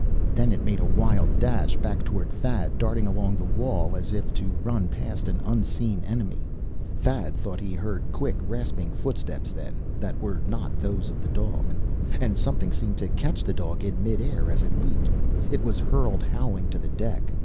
Then it made a wild dash back toward Thad, darting along by the wall, as if trying to run past an unseen enemy. Thad thought he heard quick, rasping footsteps, then, that were not those of the dog. And something seemed to catch the dog in mid air, as it leaped. It was hurled howling to the deck.